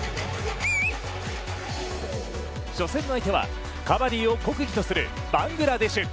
初戦の相手は、カバディを国技とするバングラデシュ。